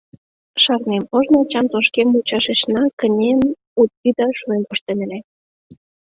— Шарнем, ожно ачам тошкем мучашешна кынем ӱдаш шонен пыштен ыле.